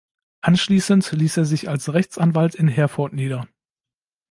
Anschließend ließ er sich als Rechtsanwalt in Herford nieder.